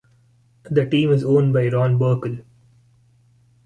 The team is owned by Ron Burkle.